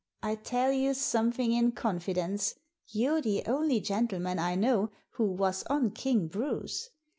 I tell you something in confidence. You're the only gentleman I know who was on King Bruce.